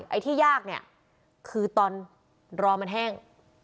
ไอ้ที่ยากเนี่ยคือตอนรอมันแห้ง